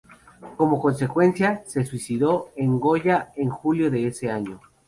Como consecuencia, se suicidó en Goya en julio de ese año.